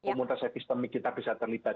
komunitas epistemik kita bisa terlibat